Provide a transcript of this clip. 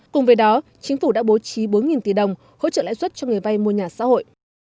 cùng với đó chính phủ đã bố trí bốn tỷ đồng hỗ trợ lãi suất cho người vay mua nhà xã hội